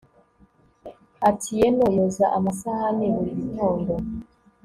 atieno yoza amasahani, buri gitondo